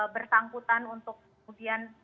bersangkutan untuk kemudian